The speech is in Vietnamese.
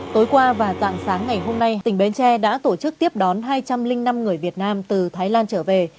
tối qua và dạng sáng ngày hôm nay tỉnh bến tre đã tổ chức tiếp đón hai trăm linh năm người việt nam từ thái lan trở về